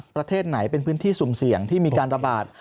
ประเทศไหนเป็นพื้นที่สุ่มเสี่ยงที่มีการระบาด